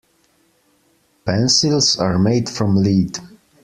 Pencils are made from lead.